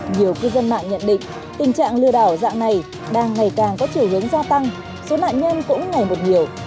nhiều cư dân mạng nhận định tình trạng lừa đảo dạng này đang ngày càng có chiều hướng gia tăng số nạn nhân cũng ngày một nhiều